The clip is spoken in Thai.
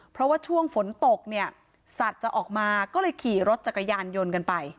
เพราะว่าช่วงฝนตกเนี่ยสัตว์จะออกมาก็เลยขี่รถจักรยานยนต์กันไป